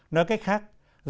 nói cách khác